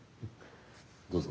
どうぞ。